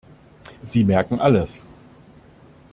Sie merken alles!